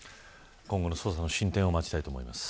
今後の捜査の進展を待ちたいと思います。